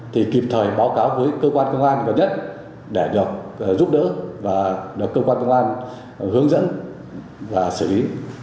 thì kịp thời báo cáo với cơ quan công an gần nhất để được giúp đỡ và được cơ quan công an hướng dẫn và xử lý